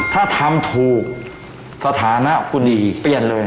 ถ้าทำถูกสถานะกูดีเปลี่ยนเลย